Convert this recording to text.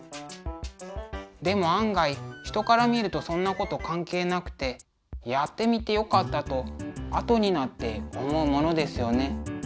でも案外人から見るとそんなこと関係なくてやってみてよかったとあとになって思うものですよね。